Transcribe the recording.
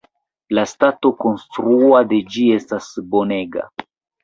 La stato konstrua de ĝi estas bonega.